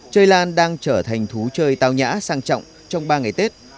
chơi lan đang trở thành thú chơi tao nhã sang trọng trong ba ngày tết